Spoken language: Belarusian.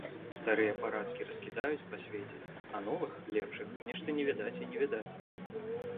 Старыя парадкі раскідаюць па свеце, а новых, лепшых, нешта не відаць і не відаць.